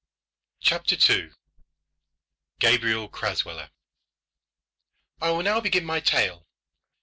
CHAPTER II. GABRIEL CRASWELLER. I will now begin my tale.